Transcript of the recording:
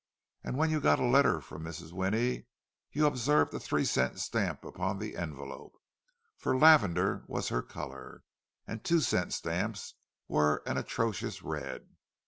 And when you got a letter from Mrs. Winnie, you observed a three cent stamp upon the envelope—for lavender was her colour, and two cent stamps were an atrocious red!